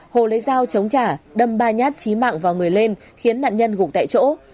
hồ lấy dao chống trả đâm ba nhát chí mạng vào người lên khiến nạn nhân gục tại chỗ